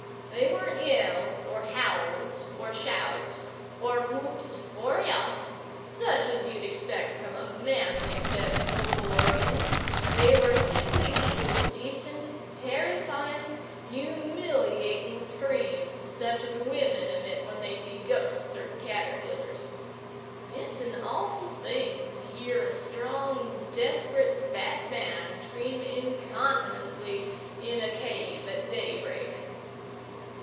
They weren't yells, or howls, or shouts, or whoops, or yawps, such as you'd expect from a manly set of vocal organs—they were simply indecent, terrifying, humiliating screams, such as women emit when they see ghosts or caterpillars. It's an awful thing to hear a strong, desperate, fat man scream incontinently in a cave at daybreak.